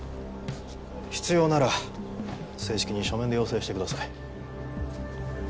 必要なら正式に書面で要請してください。